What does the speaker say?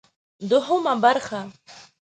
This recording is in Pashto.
دوهمه برخه: